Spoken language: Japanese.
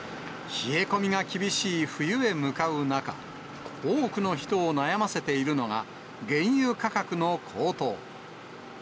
冷え込みが厳しい冬へ向かう中、多くの人を悩ませているのが、原油価格の高騰。